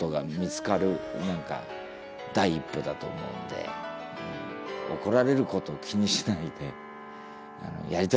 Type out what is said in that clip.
何か第一歩だと思うんで怒られることを気にしないでやりたいことをやって下さい。